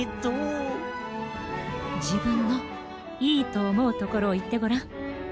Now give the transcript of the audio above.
じぶんのいいとおもうところをいってごらん。